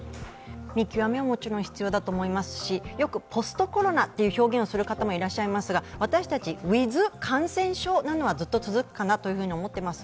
見極めももちろん必要だと思いますし、ポスト・コロナという言い方をする人たちもいますが私たちウィズ感染症はずっと続くかなと思っています。